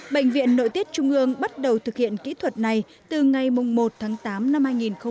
bệnh viện nội tiết trung ương bắt đầu thực hiện kỹ thuật này từ ngày một tháng tám năm hai nghìn một mươi chín